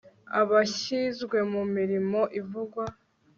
Abashyizwe mu mirimo ivugwa